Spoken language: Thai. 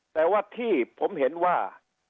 แต่ว่าที่ผมเห็นว่า